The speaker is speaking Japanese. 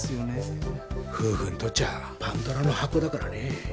夫婦にとっちゃパンドラの箱だからね。